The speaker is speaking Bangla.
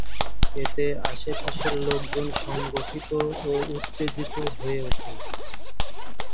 এতে আশেপাশের লোকজন সংগঠিত ও উত্তেজিত হয়ে ওঠে।